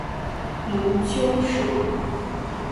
母丘氏。